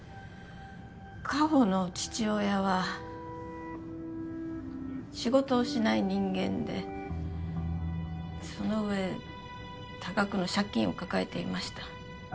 果歩の父親は仕事をしない人間でその上多額の借金を抱えていました